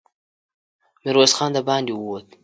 ميرويس خان د باندې ووت.